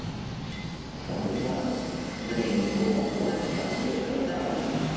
本日は全員合格となっております。